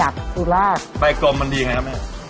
ใบกลมมันดีไหมครับ